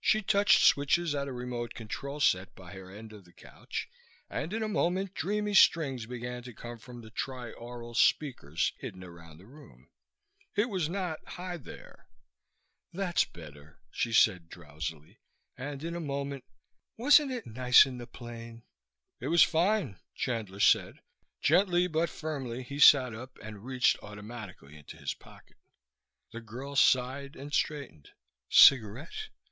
She touched switches at a remote control set by her end of the couch, and in a moment dreamy strings began to come from tri aural speakers hidden around the room. It was not Hi There. "That's better," she said drowsily, and in a moment, "Wasn't it nice in the plane?" "It was fine," Chandler said. Gently but firmly he sat up and reached automatically into his pocket. The girl sighed and straightened. "Cigarette?